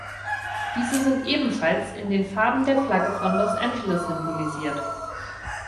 Diese sind ebenfalls in den Farben der Flagge von Los Angeles symbolisiert.